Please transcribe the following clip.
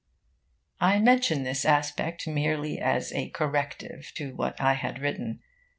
I mention this aspect merely as a corrective to what I had written.